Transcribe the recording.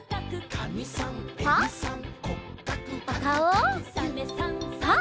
「サメさんサバさん」